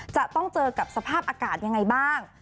จะต้องเจอกับสภาพอากาศยังไงบ้าง